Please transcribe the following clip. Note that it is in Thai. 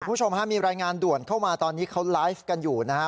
คุณผู้ชมฮะมีรายงานด่วนเข้ามาตอนนี้เขาไลฟ์กันอยู่นะฮะ